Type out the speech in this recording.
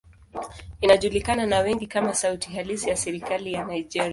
Inajulikana na wengi kama sauti halisi ya serikali ya Nigeria.